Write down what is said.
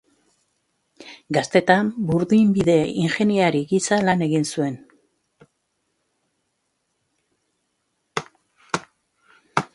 Gaztetan burdinbide-ingeniari gisa lan egin zuen.